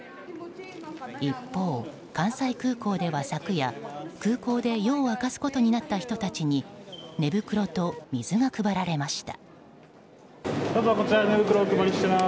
一方、関西空港では昨夜、空港で夜を明かすことになった人たちに寝袋と水が配られました。